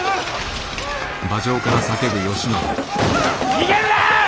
逃げるな！